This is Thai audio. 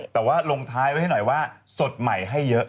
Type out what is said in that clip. แต่ว่าลงท้ายไว้ให้หน่อยว่าสดใหม่ให้เยอะ